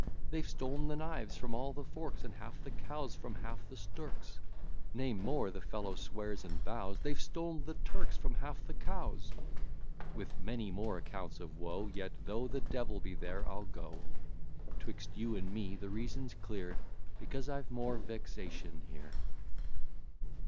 They've stol'n the knives from all the forks; And half the cows from half the sturks." Nay more, the fellow swears and vows, "They've stol'n the sturks from half the cows:" With many more accounts of woe, Yet, though the devil be there, I'll go: 'Twixt you and me, the reason's clear, Because I've more vexation here.